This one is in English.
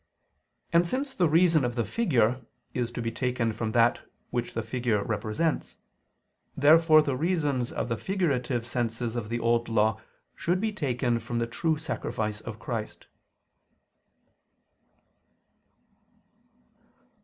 And since the reason of the figure is taken from that which the figure represents, therefore the reasons of the figurative sacrifices of the Old Law should be taken from the true sacrifice of Christ.